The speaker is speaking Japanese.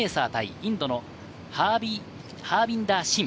インドのハービンダー・シン。